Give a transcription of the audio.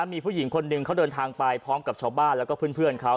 มีผู้หญิงคนหนึ่งเขาเดินทางไปพร้อมกับชาวบ้านแล้วก็เพื่อนเขา